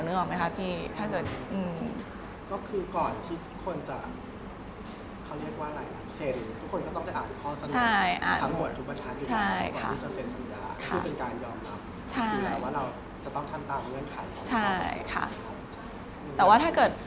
รู้หรือเปล่าไหมครับพี่